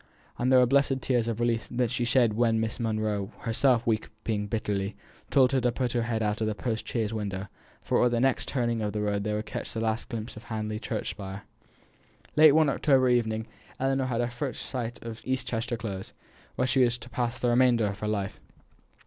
And they were blessed tears of relief that she shed when Miss Monro, herself weeping bitterly, told her to put her head out of the post chaise window, for at the next turning of the road they would catch the last glimpse of Hamley church spire. Late one October evening, Ellinor had her first sight of East Chester Close, where she was to pass the remainder of her life.